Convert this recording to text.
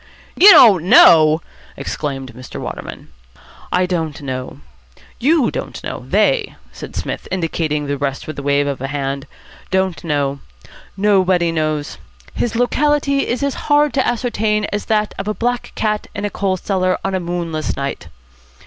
"You don't know!" exclaimed Mr. Waterman. "I don't know. You don't know. They," said Psmith, indicating the rest with a wave of the hand, "don't know. Nobody knows. His locality is as hard to ascertain as that of a black cat in a coal cellar on a moonless night.